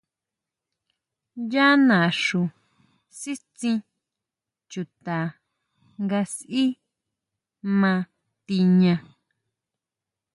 Yá naxú sitsín chuta nga sʼí ma tiña.